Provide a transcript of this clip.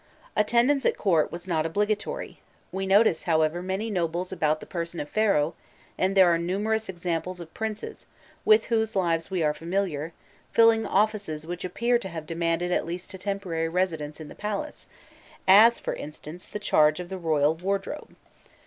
Attendance at court was not obligatory: we notice, however, many nobles about the person of Pharaoh, and there are numerous examples of princes, with whose lives we are familiar, filling offices which appear to have demanded at least a temporary residence in the palace, as, for instance, the charge of the royal wardrobe.